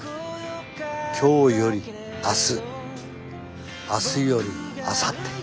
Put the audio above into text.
今日より明日明日よりあさって。